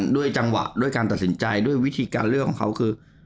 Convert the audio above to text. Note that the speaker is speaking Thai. ด้วยจังหวะด้วยการตัดสินใจด้วยวิธีการเลือกของเขาคือ